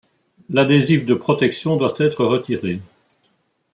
l’adhésif de protection doit être retiré